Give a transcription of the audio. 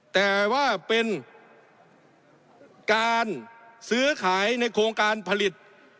แต่ว่าเป็นการซื้อขายในโครงการผลิต